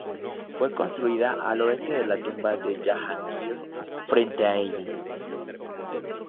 Fue construida al oeste de la tumba de Jahangir, frente a ella.